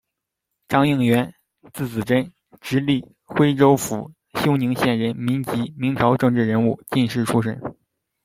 张应元，字子贞，直隶徽州府休宁县人，民籍，明朝政治人物、进士出身。